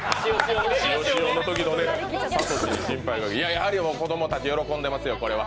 やはり子供たち喜んでいますよ。